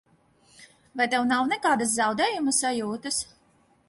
Vai tev nav nekādas zaudējuma sajūtas?